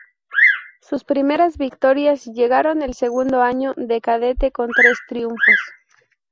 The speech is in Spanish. Sus primeras victorias llegaron el segundo año de cadete con tres triunfos.